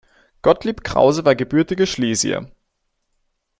Gottlieb Krause war gebürtiger Schlesier.